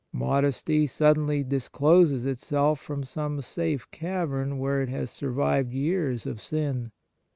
Modesty suddenly dis closes itself from some safe cavern where it has survived years of sin.